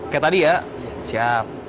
kayak tadi ya siap